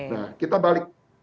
nah kita balik